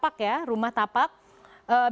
bisa banyak siaaran rumah tanpa cukup tinggi